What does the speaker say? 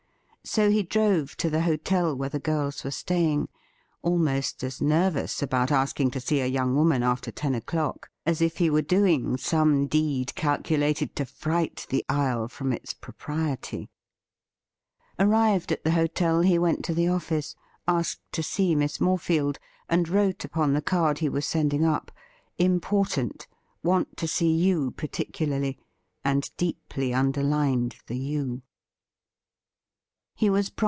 So he drove to the hotel where the girls were staying, almost as nervous about asking to see a young woman after ten o'clock as if he were doing some deed calculated to fright the isle from its propriety. Arrived at the hotel, he went to the office, asked to see Miss Morefield, and wrote upon the card he was sending up :' Important — want to see you particularly,' and deeply underlined the 'you.'